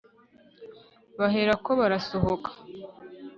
baherako barasohoka